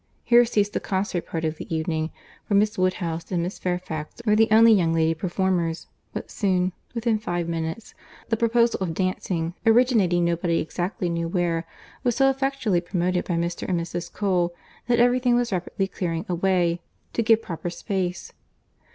Here ceased the concert part of the evening, for Miss Woodhouse and Miss Fairfax were the only young lady performers; but soon (within five minutes) the proposal of dancing—originating nobody exactly knew where—was so effectually promoted by Mr. and Mrs. Cole, that every thing was rapidly clearing away, to give proper space.